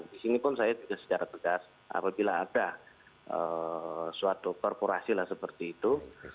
di sini pun saya juga secara tegas apabila ada suatu korporasi lah seperti itu